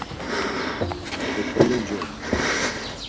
Hekole colu.